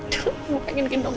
tapi aku mau pergi ke rumah